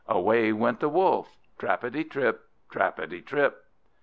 Away went the Wolf, trappity trap, trappity trap.